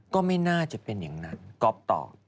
ก็ไม่น่าจะเป็นอย่างนั้นก๊อฟตอบ